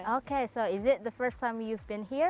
oke jadi ini pertama kali kamu ke sini